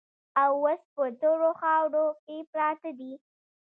او اوس په تورو خاورو کې پراته دي.